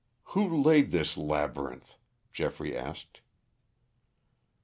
"Who laid this labyrinth?" Geoffrey asked.